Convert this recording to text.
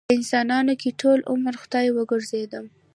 په انسانانو کې ټول عمر خدايه وګرځېدم